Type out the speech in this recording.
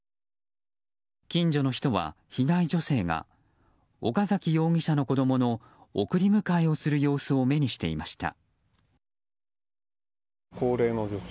近所の人は、被害女性が岡崎容疑者の子供の送り迎えをする様子を目にしていました。